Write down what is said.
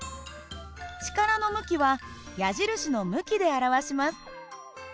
力の向きは矢印の向きで表します。